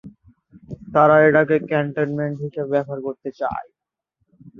তারা এটিকে একটি ক্যান্টনমেন্ট হিসেবে ব্যবহার করতে থাকে।